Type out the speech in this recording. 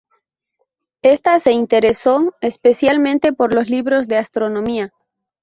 Ésta se interesó especialmente por los libros de astronomía.